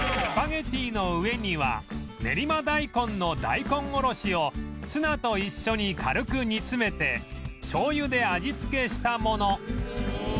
スパゲティの上には練馬大根の大根おろしをツナと一緒に軽く煮詰めて醤油で味付けしたもの